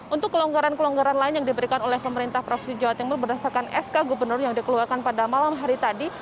untuk kelonggaran kelonggaran lain yang diberikan oleh pemerintah provinsi jawa timur berdasarkan sk gubernur yang dikeluarkan pada malam hari tadi